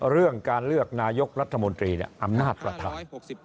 เรื่องการเลือกนายกรัฐมนตรีอำนาจประธาน